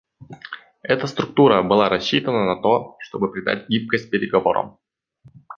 Эта структура была рассчитана на то, чтобы придать гибкость переговорам.